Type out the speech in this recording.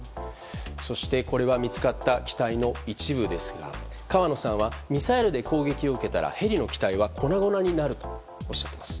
そして、これが見つかった機体の一部ですが河野さんはミサイルで攻撃を受けたらヘリの機体は粉々になるとおっしゃっています。